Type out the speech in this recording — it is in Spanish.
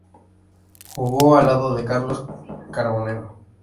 Jugó al lado de Carlos Carbonero.